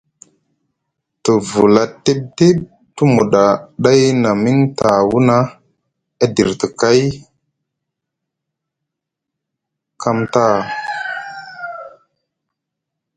Te vula tiɓ tiɓ te muɗa ɗay na miŋ tawuna e dirti kay kam taa.